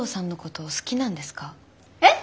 えっ！？